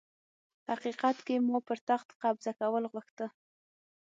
حقيقت کي ما پر تخت قبضه کول غوښته